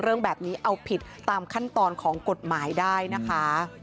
เรื่องแบบนี้เอาผิดตามขั้นตอนของกฎหมายได้นะคะ